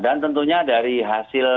dan tentunya dari hasil